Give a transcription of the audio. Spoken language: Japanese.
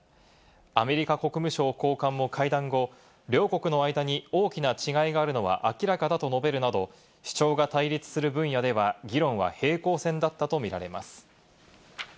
アメリカ国務省高官も会談後、両国の間に大きな違いがあるのは明らかだと述べるなど、主張が対立する分野では議論は平行線だったとみられます。